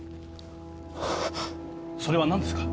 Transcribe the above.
それは何ですか？